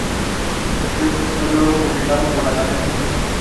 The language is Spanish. El texto fue luego publicado por la Academia de Historia Militar.